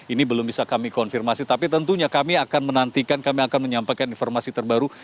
ini belum bisa kami konfirmasi tapi tentunya kami akan menantikan kami akan menyampaikan informasi terbaru